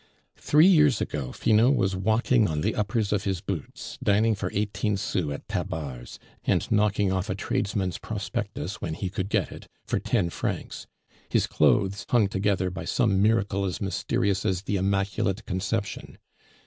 "Three years ago Finot was walking on the uppers of his boots, dining for eighteen sous at Tabar's, and knocking off a tradesman's prospectus (when he could get it) for ten francs. His clothes hung together by some miracle as mysterious as the Immaculate Conception.